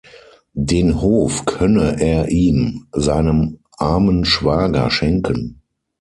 Den Hof könne er ihm, seinem armen Schwager, schenken.